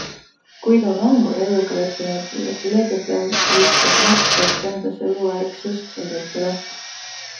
Guido Kangur, eluga leppinud Lebedev, viskab napsi, et endas eluärksust säilitada.